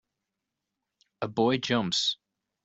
A boy jumps.